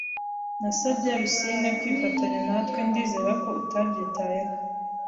Nasabye Rusine kwifatanya natwe. Ndizera ko utabyitayeho.